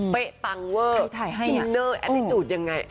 เป๊ะตังเวิร์ดอินเนอร์แอตติดูดยังไง